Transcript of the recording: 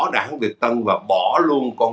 đảng việt tân và bỏ luôn con